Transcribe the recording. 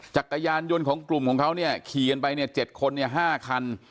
จักรยานยนต์ของกลุ่มของเขาเนี่ยขี่กันไปเนี่ย๗คน๕คัน